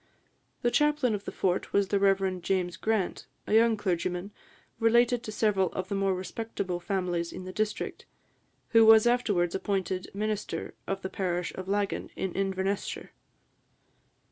The chaplain of the fort was the Rev. James Grant, a young clergyman, related to several of the more respectable families in the district, who was afterwards appointed minister of the parish of Laggan, in Inverness shire.